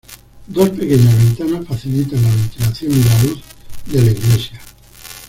Dos pequeñas ventanas facilitan la ventilación y la luz de la iglesia.